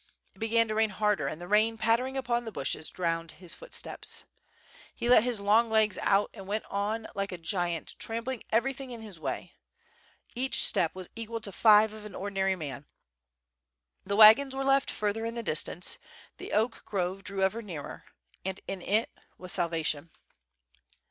It began to rain harder and the rain pattering upon the bushes, drowned his footsteps. He let his long legs out and went on like a giant, trampling everything in his way; each step was equal to five of an ordinary man. The wagons were left further in the distance, the oak grove drew ever nearer, and in it was salvation.